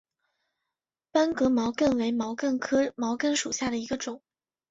班戈毛茛为毛茛科毛茛属下的一个种。